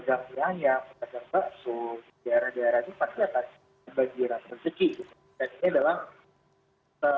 dan ini adalah saya pribadi ini adalah berkah ramadhan